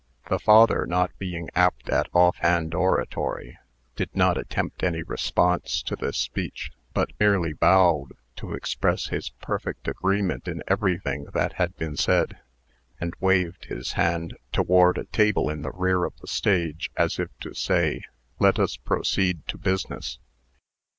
The father, not being apt at off hand oratory, did not attempt any response to this speech, but merely bowed, to express his perfect agreement in everything that had been said, and waved his hand toward a table in the rear of the stage, as if to say, "Let us proceed to business."